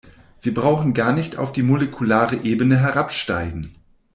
Wir brauchen gar nicht auf die molekulare Ebene herabsteigen.